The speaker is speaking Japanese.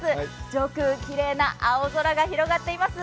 上空きれいな青空が広がっています。